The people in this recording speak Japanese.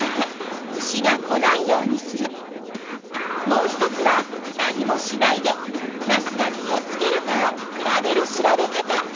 もう１つは何もしないでナスが実をつけるかを比べる調べ方。